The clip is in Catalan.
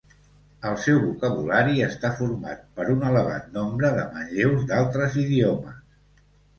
El seu vocabulari està format per un elevat nombre de manlleus d'altres idiomes.